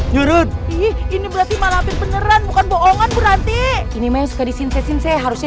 nyurut ini berarti malampir beneran bukan bohongan berarti ini mah yang suka disinse sinse harusnya